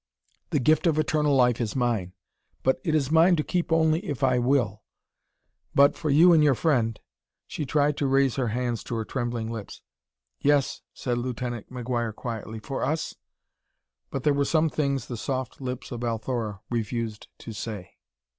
The gift of eternal life is mine, but it is mine to keep only if I will. But, for you and your friend " She tried to raise her hands to her trembling lips. "Yes," said Lieutenant McGuire quietly, "for us ?" But there were some things the soft lips of Althora refused to say.